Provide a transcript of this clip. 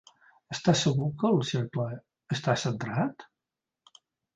Estàs segur que el cercle està centrat?